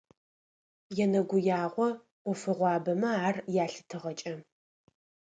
Енэгуягъо ӏофыгъуабэмэ ар ялъытыгъэкӏэ.